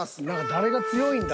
誰が強いんだ？